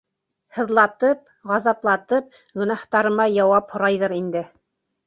Һыҙлатып, ғазаплатып гонаһтарыма яуап һорайҙыр инде.